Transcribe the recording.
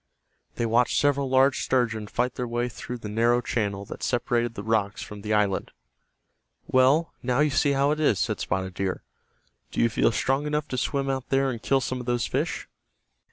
They watched several large sturgeon fight their way through the narrow channel that separated the rocks from the island. "Well, now you see how it is," said Spotted Deer. "Do you feel strong enough to swim out there and kill some of those fish?"